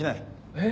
えっ？